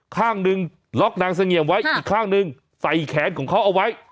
ข้างหนึ่งล็อกนางเสงี่ยมไว้อีกข้างหนึ่งใส่แขนของเขาเอาไว้